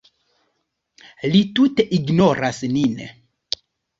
Li tute ignoras nin.